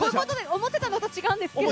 思ってたのと違うんですけど。